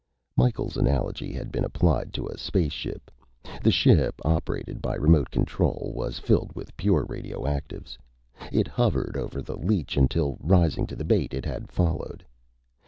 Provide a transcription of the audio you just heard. Micheals' analogy had been applied to a spaceship. The ship, operated by remote control, was filled with pure radioactives. It hovered over the leech until, rising to the bait, it had followed.